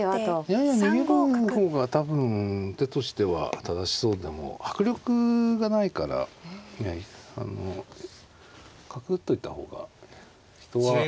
いやいや逃げる方が多分手としては正しそうでも迫力がないから角打っといた方が人は。